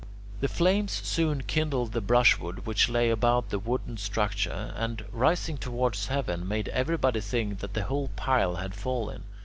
The flames soon kindled the brushwood which lay about that wooden structure and, rising towards heaven, made everybody think that the whole pile had fallen.